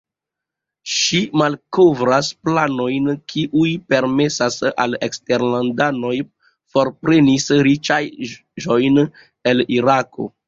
Ŝi malkovras planojn, kiuj permesas al eksterlandanoj forprenis riĉaĵojn el Irako.